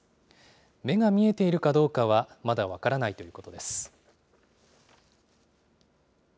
目が見えているかどうかはまだ分からないということです。